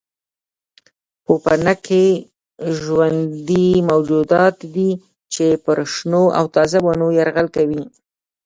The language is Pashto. پوپنکي ژوندي موجودات دي چې پر شنو او تازه ونو یرغل کوي.